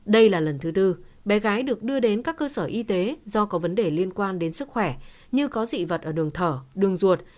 đây là lần thứ tư bé gái được đưa đến các cơ sở y tế do có vấn đề liên quan đến sức khỏe như có dị vật ở đường thở đường ruột